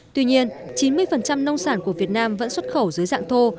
tuy nhiên chín mươi nông sản của việt nam vẫn xuất khẩu dưới dạng thô